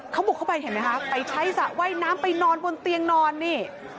เขาบุกเข้าไปเห็นไหมคะไปใช้สระว่ายน้ำไปนอนบนเตียงนอนนี่